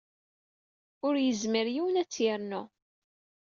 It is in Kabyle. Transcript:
Ur yezmir yiwen ad tt-ternu.